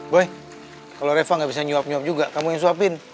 boy kalau reva gak bisa nyuap nyuap juga kamu yang suapin